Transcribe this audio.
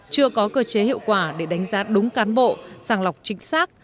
chưa có cơ chế hiệu quả để đánh giá đúng cán bộ sàng lọc chính xác